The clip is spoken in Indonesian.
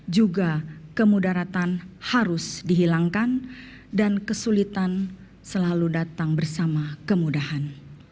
juga kemudaratan harus dihilangkan dan kesulitan selalu datang bersama kemudahan